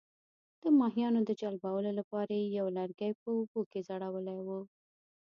د ماهیانو د جلبولو لپاره یې یو لرګی په اوبو کې ځړولی وو.